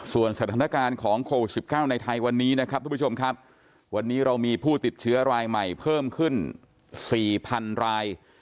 ส่วนสถานการณ์ของโควิด๑๙ในไทยวันนี้นะครับทุกผู้ชมครับวันนี้เรามีผู้ติดเชื้อรายใหม่เพิ่มขึ้น๔๐๐๐ราย